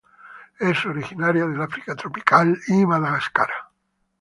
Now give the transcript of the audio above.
Es originaria del África tropical y Madagascar.